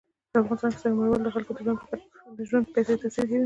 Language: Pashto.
په افغانستان کې سنگ مرمر د خلکو د ژوند په کیفیت تاثیر کوي.